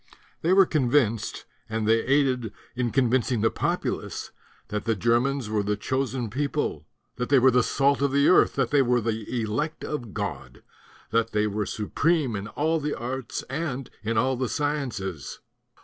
They were convinced, and they aided in convincing the populace, that the Germans were the chosen people, that they were the salt of the earth, that they were the elect of God, that they were supreme in all the arts and in all the sciences.